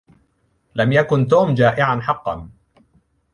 لم يكن توم جائعا حقا.